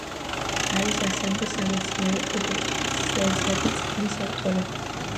არის ასამდე სამეცნიერო პუბლიკაციისა და წიგნის ავტორი.